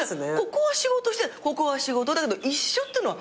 ここは仕事してここは仕事一緒ってのは。